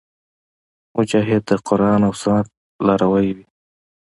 مجاهد د قرآن او سنت لاروی وي.